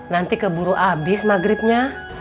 nanti keburu abis maghribnya